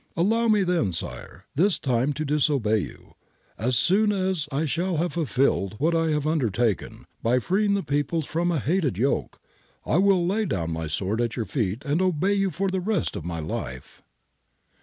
Allow me then, Sire, this time to dis obey you. As soon as I shall have fulfilled what I have undertaken, by freeing the peoples from a hated yoke, I will lay down my sword at your feet and obey you for the rest of my life.'